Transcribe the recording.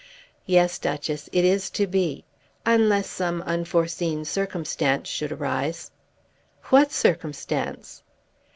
"Yes, Duchess; it is to be, unless some unforeseen circumstance should arise." "What circumstance?"